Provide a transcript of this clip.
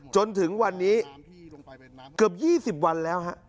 จนถึงวันนี้เกือบ๒๐วันแล้วฮะ